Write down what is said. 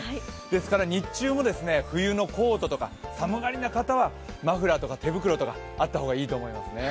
ですから、日中も冬のコートとか、寒がりな方はマフラーとか手袋とかあった方がいいと思いますね。